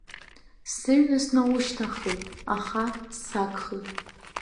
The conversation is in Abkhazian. Сыҩны снаушьҭаххуеит, аха сагхеит.